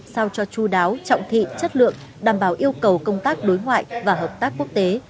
sao cho chú đáo trọng thị chất lượng đảm bảo yêu cầu công tác đối ngoại và hợp tác quốc tế